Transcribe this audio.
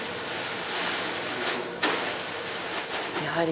やはり